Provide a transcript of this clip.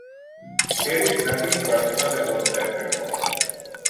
There is nothing personal about that record.